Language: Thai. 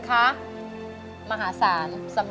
ขอบคุณทุกคน